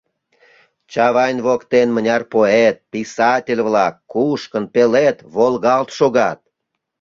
Чавайн воктен мыняр поэт, писатель-влак кушкын, пелед, волгалт шогат!